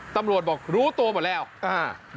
ตำรวจบอกรู้ตัวหมดแล้วเสมอว่าเดี๋ยวจะ๑๙๙๘บเลียงไม่รู้